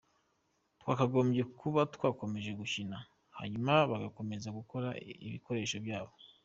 Twakagombye kuba twakomeje gukina hanyuma bo bagakomeza gukora ibikoresho byabo.